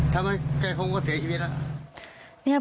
ทำให้แก้โครงก็เสียชีวิตแล้ว